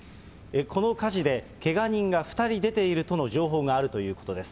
この火事で、けが人が２人出ているとの情報があるということです。